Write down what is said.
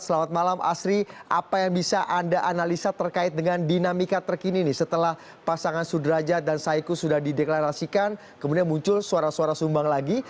selamat malam asri apa yang bisa anda analisa terkait dengan dinamika terkini nih setelah pasangan sudrajat dan saiku sudah dideklarasikan kemudian muncul suara suara sumbang lagi